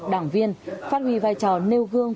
đảng viên phát huy vai trò nêu gương